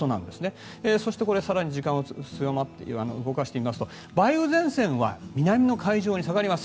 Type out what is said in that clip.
そして更に時間を動かしてみますと梅雨前線は南の海上に下がります。